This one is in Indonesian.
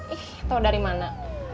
ih tau dari mana